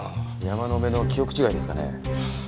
山野辺の記憶違いですかね。